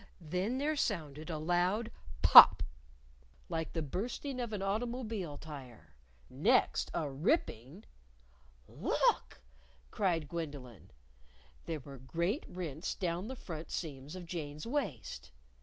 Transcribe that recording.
Then there sounded a loud pop like the bursting of an automobile tire. Next, a ripping "Look!" cried Gwendolyn. There were great rents down the front seams of Jane's waist!